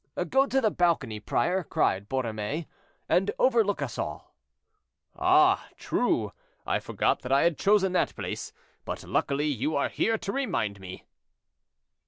"Go to the balcony, prior," cried Borromée, "and overlook us all." "Ah! true; I forgot that I had chosen that place, but luckily you are here to remind me."